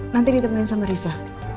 nanti ditemenin sama riza